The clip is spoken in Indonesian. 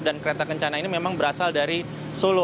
dan kereta kencana ini memang berasal dari solo